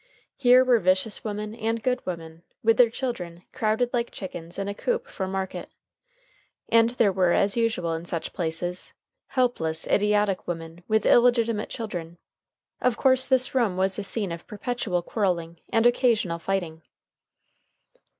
Here were vicious women and good women, with their children, crowded like chickens in a coop for market. And there were, as usual in such places, helpless, idiotic women with illegitimate children. Of course this room was the scene of perpetual quarreling and occasional fighting.